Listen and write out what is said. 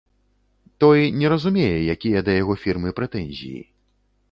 Той не разумее, якія да яго фірмы прэтэнзіі.